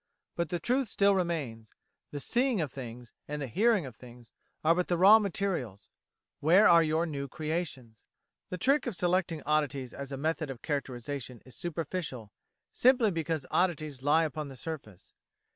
But the truth still remains the seeing of things, and the hearing of things, are but the raw material: where are your new creations? The trick of selecting oddities as a method of characterisation is superficial, simply because oddities lie upon the surface.